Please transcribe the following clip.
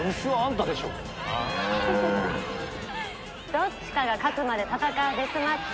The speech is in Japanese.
どっちかが勝つまで戦うデスマッチ。